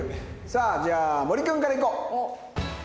さあじゃあ森君からいこう。